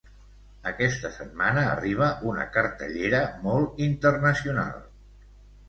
Aquesta setmana arriba una cartellera molt internacional.